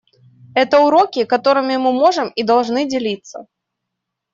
Это уроки, которыми мы можем и должны делиться.